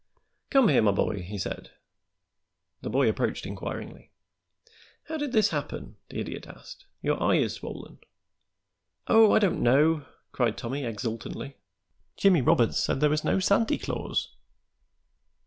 "Come here, my boy," he said. The boy approached inquiringly. "How did this happen?" the Idiot asked. "Your eye is swollen." "Oh, I don't know," cried Tommy, exultantly. "Jimmie Roberts said there wasn't no Santy Claus."